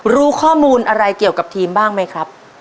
รู้ข้อมูลอะไรเกี่ยวกับทีมบ้างไหมครับ